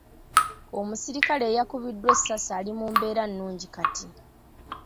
Omusirikale e yakubiddwa essasi ali mu mbeera nnungi kati.